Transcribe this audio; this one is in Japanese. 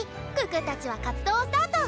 可たちは活動をスタート！